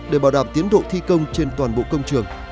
để bảo đảm tiến độ thi công trên toàn bộ công trường